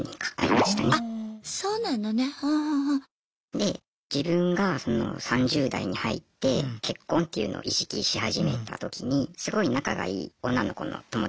で自分がその３０代に入って結婚というのを意識し始めた時にすごい仲がいい女の子の友達がいたんですね。